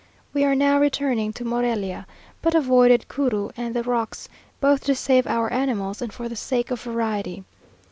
We are now returning to Morelia, but avoided Curu and the rocks, both to save our animals, and for the sake of variety.